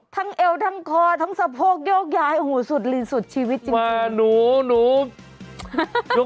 ยังดีด้วย